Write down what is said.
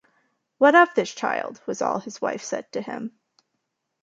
“What of this child?” was all his wife said to him.